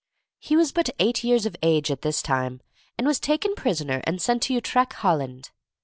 He was but eight years of age at this time, and was taken prisoner and sent to Utrecht, Holland.